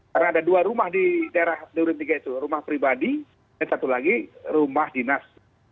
karena ada dua rumah di daerah huruf tiga itu rumah pribadi dan satu lagi rumah dinas